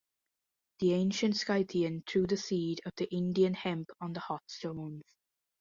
The ancient Scythian threw the seed of the Indian hemp on the hot stones.